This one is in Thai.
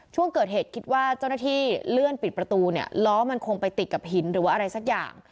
ช่วงเกิดเหตุคิดว่าเจ้าหน้าที่เลื่อนปิดประตูเนี่ยล้อมันคงไปติดกับหินหรือว่าอะไรสักอย่าง